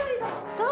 そう！